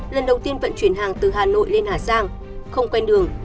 lần đầu tiên vận chuyển hàng từ hà nội lên hà giang không quen đường